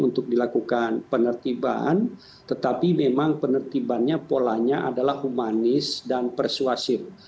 untuk dilakukan penertiban tetapi memang penertibannya polanya adalah humanis dan persuasif